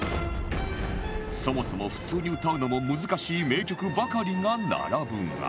そもそも普通に歌うのも難しい名曲ばかりが並ぶが